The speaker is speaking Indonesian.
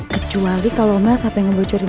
kecuali kalo emas sampe ngebocorin